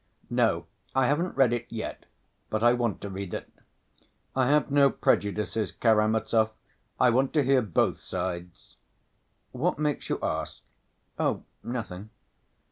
"No, I haven't read it yet, but I want to read it. I have no prejudices, Karamazov; I want to hear both sides. What makes you ask?" "Oh, nothing."